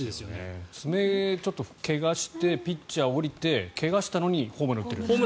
爪、怪我をしてピッチャーを降りて怪我をしたのにホームランを打ってる。